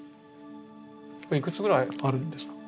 これいくつぐらいあるんですか？